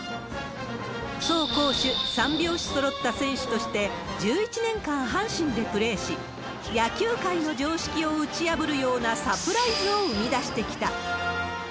走攻守三拍子そろった選手として、１１年間阪神でプレーし、野球界の常識を打ち破るようなサプライズを生み出してきた。